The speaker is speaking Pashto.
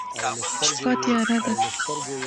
شپه تیاره ده